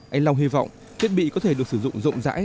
anh long hy vọng thiết bị có thể được sử dụng rộng rãi